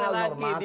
tidak ada apa lagi